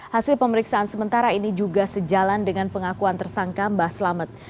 hasil pemeriksaan sementara ini juga sejalan dengan pengakuan tersangka mbah selamet